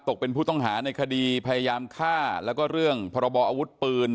ผู้ต้องหาในคดีพยายามฆ่าแล้วก็เรื่องพรบออาวุธปืน